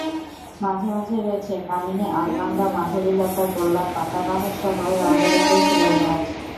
মাঝে মাঝে রয়েছে কামিনী, আলমান্ডা, মাধবীলতা, গোলাপ, পাতাবাহারসহ রংবেরঙের ফুলের গাছ।